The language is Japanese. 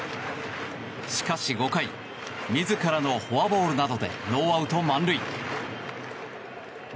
しかし、５回自らのフォアボールなどでノーアウト満塁。